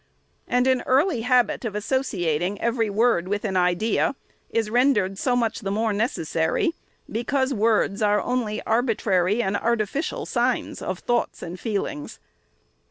And an early habit of associating every word with an idea is rendered so much the more necessary, because words are only arbitrary and artificial signs of thoughts and feelings.